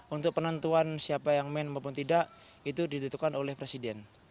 untuk penentuan siapa yang main maupun tidak itu ditentukan oleh presiden